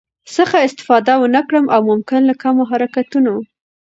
څخه استفاده ونکړم او ممکن له کمو حرکتونو